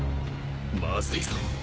まずいぞ。